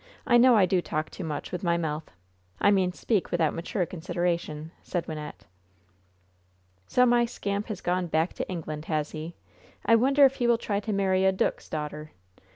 I know I do talk too much with my mouth I mean speak without mature consideration," said Wynnette. "So my scamp has gone back to England, has he? I wonder if he will try to marry a dook's darter?